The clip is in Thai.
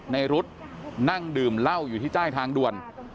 รุดนั่งดื่มเหล้าอยู่ที่ใต้ทางด่วน